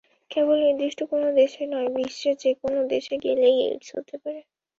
কেবল নির্দিষ্ট কোনো দেশে নয়, বিশ্বের যেকোনো দেশে গেলেই এইডস হতে পারে।